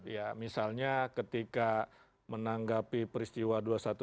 ya misalnya ketika menanggapi peristiwa dua ribu satu ratus dua puluh dua